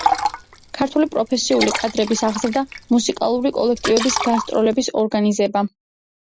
ქართული პროფესიული კადრების აღზრდა, მუსიკალური კოლექტივების გასტროლების ორგანიზება.